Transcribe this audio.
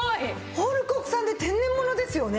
オール国産で天然ものですよね？